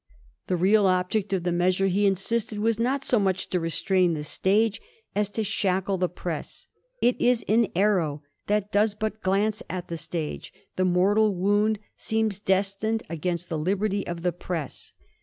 The real object of the measure, he insisted, was not so much to restrain the stage as to shackle the press. ^' It is an aiTow that does but glance at the stage; the mortal wound seems destined against the liberty of the press."